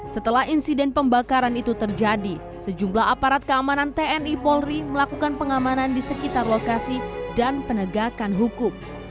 setelah insiden pembakaran itu terjadi sejumlah aparat keamanan tni polri melakukan pengamanan di sekitar lokasi dan penegakan hukum